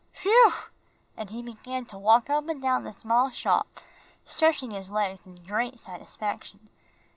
"Whew!" and he began to walk up and down the small shop, stretching his legs in great satisfaction.